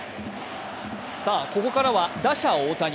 さぁ、ここからは打者・大谷。